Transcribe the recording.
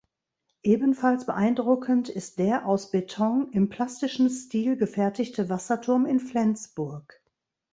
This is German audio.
Ebenfalls beeindruckend ist der aus Beton im plastischen Stil gefertigte Wasserturm in Flensburg.